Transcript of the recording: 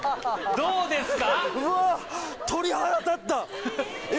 どうですか？